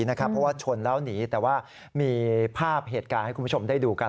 เพราะว่าชนแล้วหนีแต่ว่ามีภาพเหตุการณ์ให้คุณผู้ชมได้ดูกัน